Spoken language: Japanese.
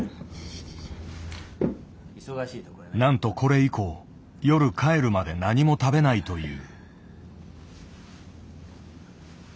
なんとこれ以降夜帰るまで何も食べないという。